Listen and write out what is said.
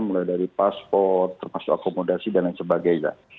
mulai dari paspor termasuk akomodasi dan lain sebagainya